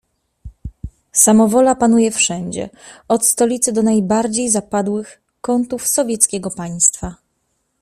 "Samowola panuje wszędzie, od stolicy do najbardziej zapadłych kątów sowieckiego państwa."